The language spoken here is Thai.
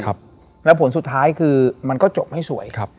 แล้วผลสุดท้ายคือมันก็จบให้สวย